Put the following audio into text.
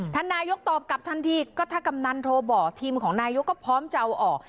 ท่านนายกตอบกลับทันทีก็ถ้ากำนันโทรบอกทีมของนายกก็พร้อมจะเอาออก